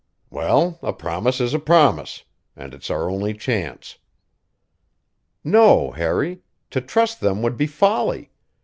"Well, a promise is a promise. And it's our only chance." "No, Harry; to trust them would be folly.